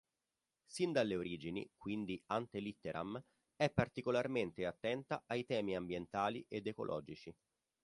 Sin dalle origini -"quindi ante litteram"- è particolarmente attenta ai temi ambientali ed ecologici.